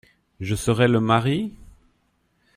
Je serais le mari…